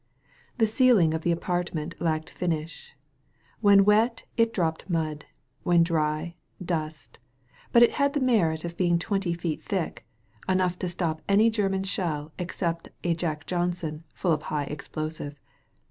The ceiling of the apart ment lacked finish. When wet it dropped mud; when dry, dust. But it had the merit of being twenty feet thick — enough to stop any German shell except a "Jack Johnson" full of high explosive.